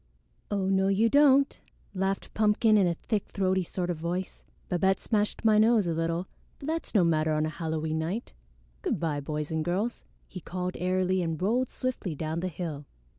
"Oh, no, you don't," laughed Pumpkin in a thick throaty sort of voice. "Babette smashed my nose a little, but that's no matter on a Halloween night. Good by, boys and girls," he called airily and rolled swiftly down the hill.